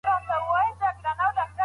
د مهارتونو د لوړولو لپاره هڅه کېږي.